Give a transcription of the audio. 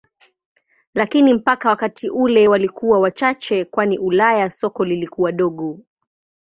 Lakini mpaka wakati ule walikuwa wachache kwani Ulaya soko lilikuwa dogo.